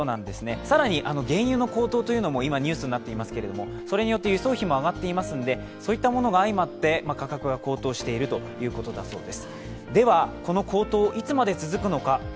更に原油の高騰も今ニュースになっていますけれども、それによって輸送費も上がっていますので、それに相まって価格が高騰しているということだそうです。